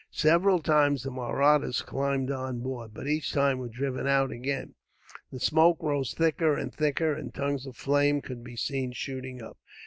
Several times the Mahrattas climbed on board, but each time were driven out again. The smoke rose thicker and thicker, and tongues of flame could be seen shooting up.